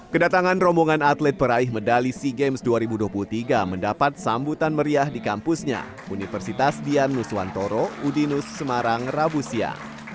kedatangan rombongan atlet peraih medali sea games dua ribu dua puluh tiga mendapat sambutan meriah di kampusnya universitas dianuswantoro udinus semarang rabusia